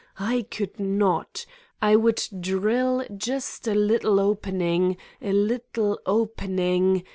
I could not! I would drill just a little opening, a little opening